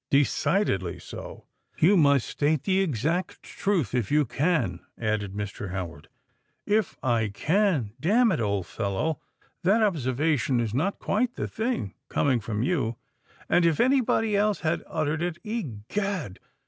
"Decidedly so. You must state the exact truth—if you can," added Mr. Howard. "If I can! Damn it, old fellow, that observation is not quite the thing—coming from you; and if any body else had uttered it, egad!